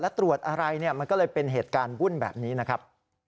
และตรวจอะไรมันก็เลยเป็นเหตุการณ์วุ่นแบบนี้นะครับ